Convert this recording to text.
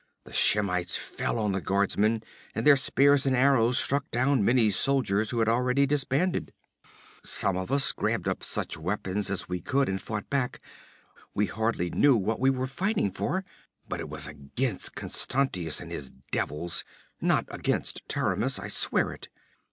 The Shemites fell on the guardsmen, and their spears and arrows struck down many soldiers who had already disbanded. 'Some of us grabbed up such weapons as we could and fought back. We hardly knew what we were fighting for, but it was against Constantius and his devils not against Taramis, I swear it!